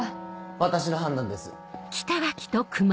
私の判断です。